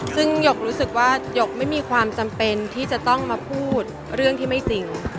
ซึ่งหยกรู้สึกว่าหยกไม่มีความจำเป็นที่จะต้องมาพูดเรื่องที่ไม่จริง